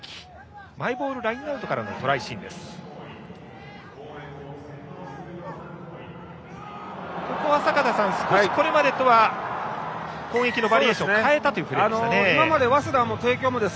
マイボールラインアウトからのトライシーンです。